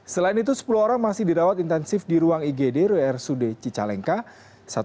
selain itu sepuluh orang masih dirawat intensif di ruang igd rsud cicalengka